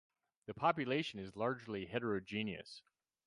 The population is largely heterogeneous.